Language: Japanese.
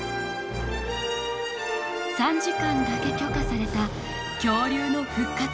３時間だけ許可された恐竜の復活。